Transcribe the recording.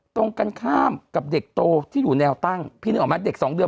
ตรงกันข้ามกับเด็กโตที่อยู่แนวตั้งพี่นึกออกไหมเด็กสองเดือน